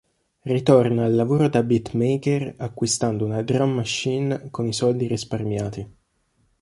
Ritorna al lavoro da beatmaker acquistando una drum machine con i soldi risparmiati.